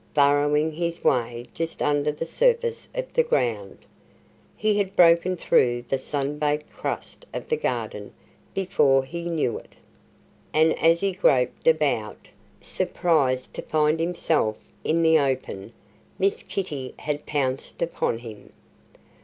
Burrowing his way just under the surface of the ground, he had broken through the sun baked crust of the garden before he knew it. And as he groped about, surprised to find himself in the open, Miss Kitty had pounced upon him.